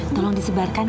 tolong disebarkan ya